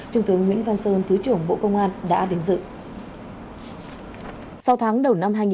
trung tướng nguyễn văn sơn thứ trưởng bộ công an đã đến dự